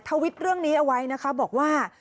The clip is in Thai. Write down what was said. ทวิตเรื่องนี้เอาไว้นะคะบอกว่า